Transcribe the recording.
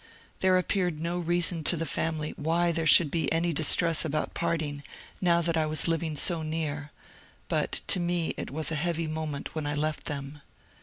There appeared no reason to the family why there should be any distress about parting now that I was living so near, but to me it was a heavy mo ment when I left them.